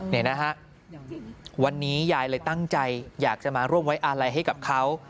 นี่นะฮะวันนี้ยายเลยตั้งใจอยากจะมาร่วมไว้อาลัยให้กับเขา